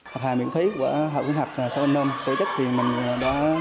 học hà miễn phí của hội khuyến học xã bình nam